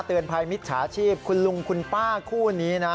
เตือนภัยมิจฉาชีพคุณลุงคุณป้าคู่นี้นะ